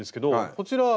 こちら。